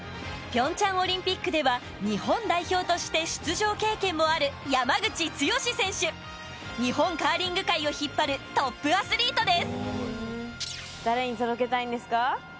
平昌オリンピックでは日本代表として出場経験もある日本カーリング界を引っ張るトップアスリートです誰に届けたいんですか？